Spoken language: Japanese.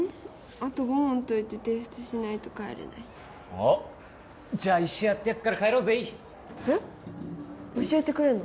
あと５問解いて提出しないと帰れないおっじゃあ一緒にやってやっから帰ろうぜえっ教えてくれんの？